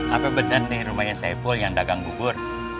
apa benar nih rumahnya saipul yang dagang bubur